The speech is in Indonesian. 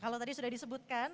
kalau tadi sudah disebutkan